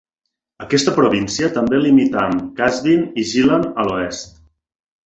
Aquesta província també limita amb Qazvin i Gilan a l'oest.